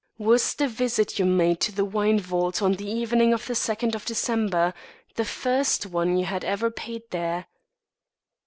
"Was the visit you made to the wine vault on the evening of the second of December, the first one you had ever paid there?"